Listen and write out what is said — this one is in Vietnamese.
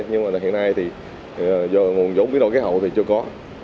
nhưng mà hiện nay thì do nguồn vốn biến đổi cái hộ thì chưa có